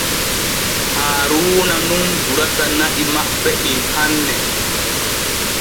Haaruuna nun durata na’i maɓɓe ɗin hanne.